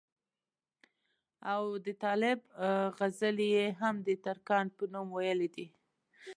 او د طالب غزلې ئې هم دترکاڼ پۀ نوم وئيلي دي